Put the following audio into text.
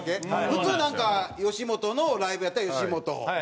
普通なんか吉本のライブやったら吉本とか。